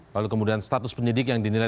lalu kemudian status penyidik yang dinilai